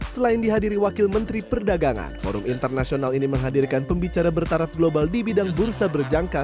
selain dihadiri wakil menteri perdagangan forum internasional ini menghadirkan pembicara bertaraf global di bidang bursa berjangka